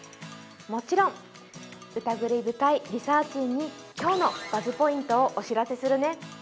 もちろんうたぐり深いリサーちんに今日のＢＵＺＺポイントをお知らせするね